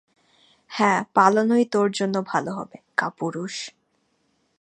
হ্যাঁ, পালানোই তোর জন্য ভালো হবে, কাপুরুষ।